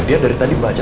dia dari tadi baca